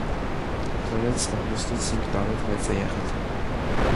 Ֆլորենսն ամուսնուց հինգ տարով մեծ է եղել։